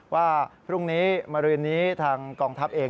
ว่าพรุ่งนี้มารืนนี้ทางกองทัพเอง